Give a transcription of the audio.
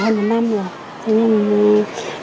hơn một năm rồi